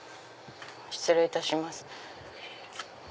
失礼いたします。